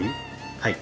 はい。